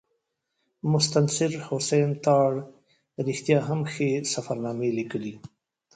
مستنصر حسین تارړ رښتیا هم ښې سفرنامې لیکلي.